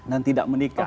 dan tidak menikah